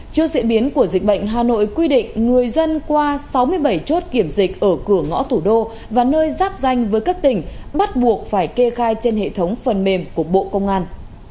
trước diễn biến của dịch bệnh hà nội quy định người dân qua sáu mươi bảy chốt kiểm dịch ở cửa ngõ thủ đô và nơi giáp danh với các tỉnh bắt buộc phải kê khai trên hệ thống phần mềm của bộ công an